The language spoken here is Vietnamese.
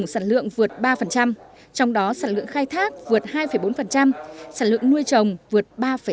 sản lượng vượt ba trong đó sản lượng khai thác vượt hai bốn sản lượng nuôi trồng vượt ba bốn